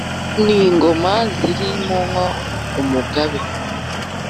n’ingoma ziri mwo umugabe,